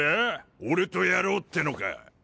俺とやろうってのか？